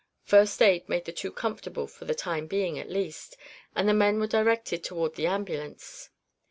First aid made the two comfortable for the time being at least and the men were directed toward the ambulance.